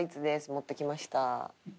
持ってきました。